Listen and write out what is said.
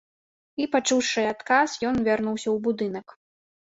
І пачуўшы адказ, ён вярнуўся ў будынак.